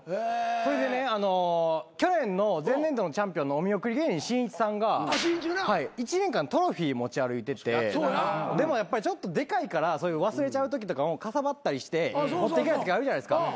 それでね去年の前年度のチャンピオンのお見送り芸人しんいちさんが１年間トロフィー持ち歩いててでもやっぱりちょっとでかいから忘れちゃうときとかかさばったりして持っていけないときあるじゃないですか。